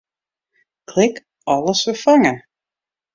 Klik Alles ferfange.